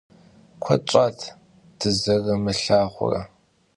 Kued ş'at dızerımılhağure.